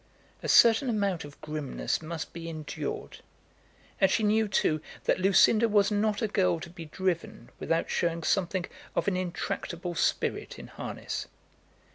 A certain amount of grimness must be endured. And she knew, too, that Lucinda was not a girl to be driven without showing something of an intractable spirit in harness.